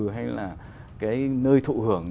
hay là cái nơi thụ hưởng